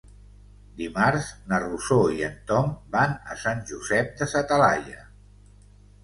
Dimarts na Rosó i en Tom van a Sant Josep de sa Talaia.